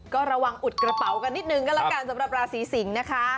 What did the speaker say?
ก็ระวังอุดกระเป๋ากันนิดนึงก็แล้วกันสำหรับราศีสิงศ์นะคะ